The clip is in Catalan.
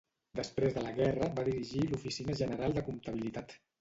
Després de la guerra, va dirigir l'oficina general de comptabilitat.